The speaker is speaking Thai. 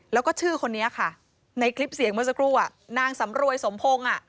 แล้วก็ชื่อคนนี้ค่ะในคลิปเสียงเมื่อสักครู่นางสำรวยสมพงศ์